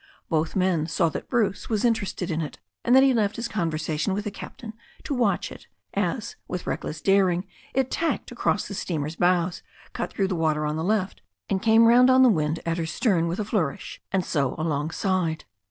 Both men saw that Bruce was interested in it, and that he left his conversation with the captain to watch it, as, with reck less daring, it tacked across the steamer's bows, cut through the water on the left, and came round on the wind at her stern with a flourish, and so alongside.